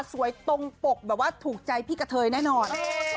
ตรงปกแบบว่าถูกใจพี่กะเทยแน่นอน